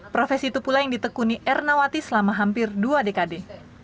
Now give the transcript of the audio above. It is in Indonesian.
profesi itu pula yang ditekuni ernawati selama hampir dua dekade